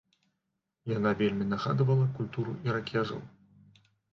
Яна вельмі нагадвала культуру іракезаў.